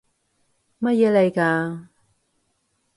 乜嘢嚟㗎？